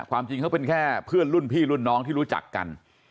ความจริงเขาเป็นแค่เพื่อนรุ่นพี่รุ่นน้องที่รู้จักกัน